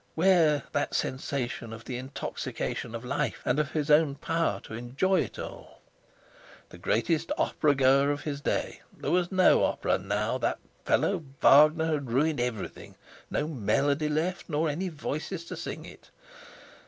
Where that sensation of the intoxication of life and of his own power to enjoy it all? The greatest opera goer of his day! There was no opera now! That fellow Wagner had ruined everything; no melody left, nor any voices to sing it.